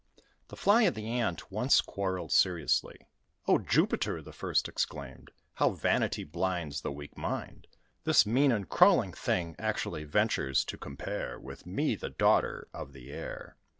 The Fly and Ant once quarrelled seriously: "O Jupiter!" the first exclaimed, "how vanity Blinds the weak mind! This mean and crawling thing Actually ventures to compare With me, the daughter of the air.